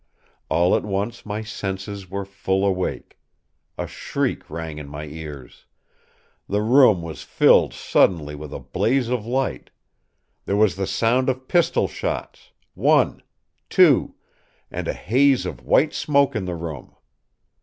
All at once my senses were full awake. A shriek rang in my ears. The room was filled suddenly with a blaze of light. There was the sound of pistol shots—one, two; and a haze of white smoke in the room.